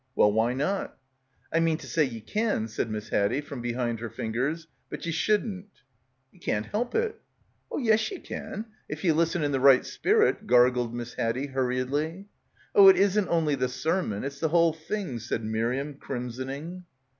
"Well, why not?" "I mean to say ye can" said Miss Haddie from behind her fingers, "but, but ye shouldn't." "You can't help it." "Oh yes, ye can. If ye listen in the right spirit," gargled Miss Haddie hurriedly. — 132 — BACKWATER "Oh, it isn't only the sermon, it's the whole thing/' said Miriam, crimsoning.